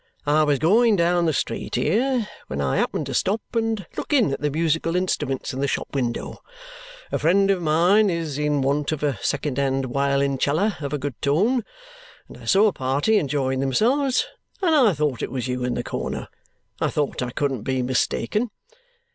"I was going down the street here when I happened to stop and look in at the musical instruments in the shop window a friend of mine is in want of a second hand wiolinceller of a good tone and I saw a party enjoying themselves, and I thought it was you in the corner; I thought I couldn't be mistaken.